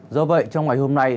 do vậy trong ngày hôm nay